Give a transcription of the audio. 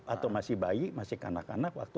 atau masih bayi masih kanak kanak waktu